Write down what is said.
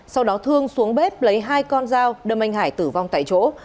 sau đó thương xuống bếp lấy hai con dao đâm anh hải tử vong tại chỗ